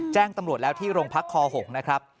แจ้งตำรวจแล้วที่โรงพักคอ๖นะครับ